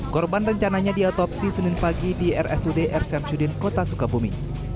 korban rencananya diotopsi senin pagi di rsud r syamsudin kota sukabumi